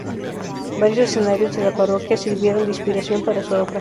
Varios escenarios de la parroquia sirvieron de inspiración para su obra.